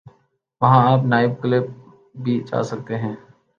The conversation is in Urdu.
وہاں آپ نائب کلب بھی جا سکتے ہیں۔